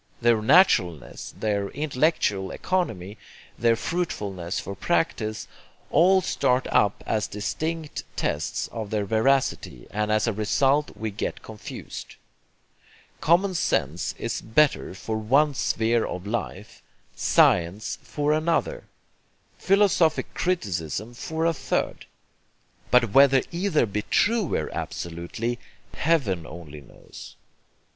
Their naturalness, their intellectual economy, their fruitfulness for practice, all start up as distinct tests of their veracity, and as a result we get confused. Common sense is BETTER for one sphere of life, science for another, philosophic criticism for a third; but whether either be TRUER absolutely, Heaven only knows.